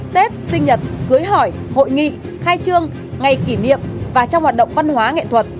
tết sinh nhật cưới hỏi hội nghị khai trương ngày kỷ niệm và trong hoạt động văn hóa nghệ thuật